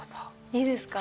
いいですか？